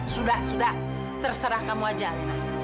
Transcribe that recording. sudah sudah terserah kamu aja